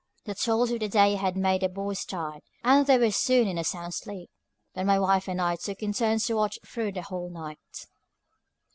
The toils of the day had made the boys tired, and they were soon in a sound sleep, but my wife and I took it in turns to watch through the whole night.